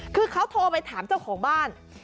คือเขาโทรไปถามเจ้าของบ้าน